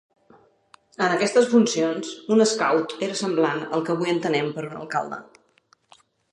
En aquestes funcions, un "schout" era semblant al que avui entenem per un alcalde.